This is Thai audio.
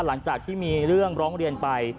หลังจากที่มีเรื่องร้องเรียนไป